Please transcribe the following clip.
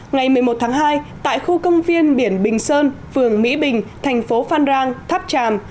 ngày một mươi một tháng hai tại khu công viên biển bình sơn phường mỹ bình thành phố phan rang tháp tràm